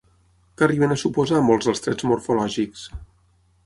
Què arriben a suposar molts dels trets morfològics?